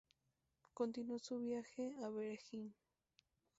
Continuó su viaje a Bahrein.